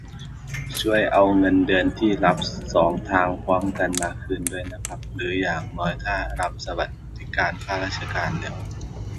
ช่วยเอาเงินเดือนที่รับสองทางพร้อมกันมาคืนด้วยนะครับ หรืออย่างน้อยถ้ารับสวัสดิการข้าราชการแล้ว